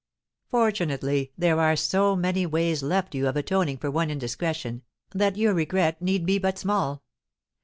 Fortunately, there are so many ways left you of atoning for one indiscretion, that your regret need be but small.